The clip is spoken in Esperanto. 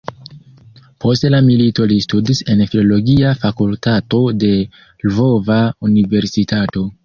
Post la milito li studis en filologia fakultato de Lvova universitato.